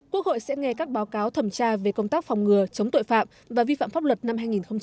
quốc hội sẽ nghe các báo cáo thẩm tra về công tác phòng ngừa chống tội phạm và vi phạm pháp luật năm hai nghìn hai mươi